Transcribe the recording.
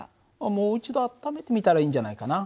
もう一度温めてみたらいいんじゃないかな。